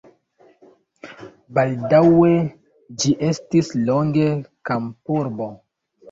Baldaŭe ĝi estis longe kampurbo.